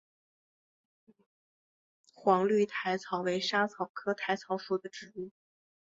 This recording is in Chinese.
黄绿薹草为莎草科薹草属的植物。